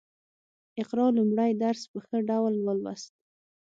اقرا لومړی درس په ښه ډول ولوست